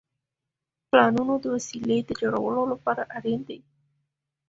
پلانونه د وسیلې د جوړولو لپاره اړین دي.